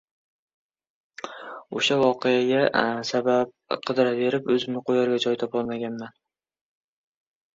o‘sha voqeaga sabab qidiraverib, o‘zimni qo‘yarga joy topolmaganman.